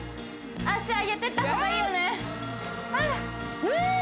脚上げてった方がいいよね？